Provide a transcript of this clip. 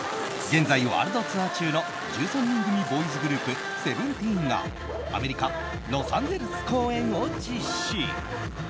現在ワールドツアー中の１３人組ボーイズグループＳＥＶＥＮＴＥＥＮがアメリカ・ロサンゼルス公演を実施。